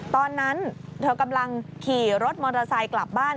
ตอนนั้นเธอกำลังขี่รถมอเตอร์ไซค์กลับบ้าน